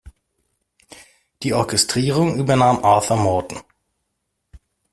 Die Orchestrierung übernahm Arthur Morton.